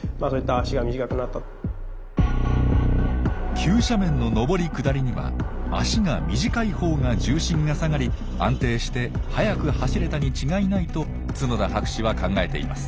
急斜面の上り下りには脚が短いほうが重心が下がり安定して速く走れたに違いないと角田博士は考えています。